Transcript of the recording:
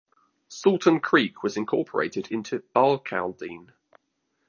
Saltern Creek was incorporated into Barcaldine.